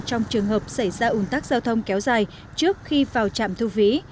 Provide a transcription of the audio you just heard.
trong trường hợp xảy ra ủng tác giao thông kéo dài trước khi vào trạm thu phí